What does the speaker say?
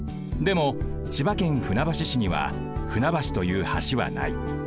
でも千葉県船橋市には船橋という橋はない。